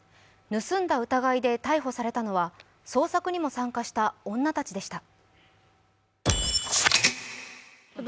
盗んだ疑いで逮捕されたのは捜索にも参加した女たちでした。